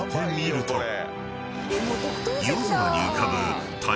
［夜空に浮かぶ］